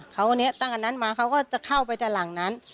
เขาตั้งแต่นั้นมาเขาก็จะเข้าไปแต่หลังนั้น